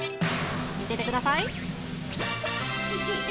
見ててください。